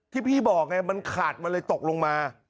ที่พี่บอกไงมันขาดมันเลยตกลงมา